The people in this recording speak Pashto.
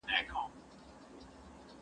هم ښایسته هم په ځان غټ هم زورور دی